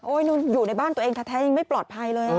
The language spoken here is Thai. อยู่ในบ้านตัวเองแท้ยังไม่ปลอดภัยเลย